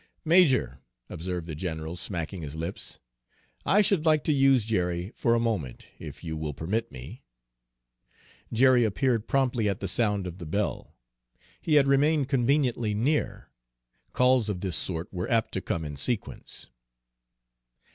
"Major," observed the general, smacking his lips, "I should like to use Jerry for a moment, if you will permit me." Jerry appeared promptly at the sound of the bell. He had remained conveniently near, calls of this sort were apt to come in sequence.